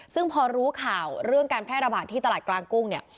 ซึ่งพอรู้ข่าวเรื่องการแพร่ระบาดที่ตลาดกลางกุ้งเนี่ย